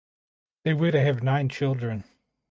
They were to have nine children.